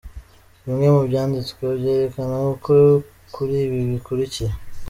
Bimwe mu byanditswe byerekana uko kuri ni ibi bikurikira:.